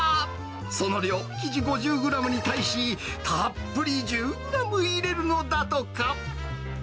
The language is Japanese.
その量、生地５０グラムに対し、たっぷり１０グラム入れるのだとか。